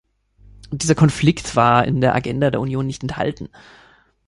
Dieser Konflikt war in der Agenda der Union nicht enthalten.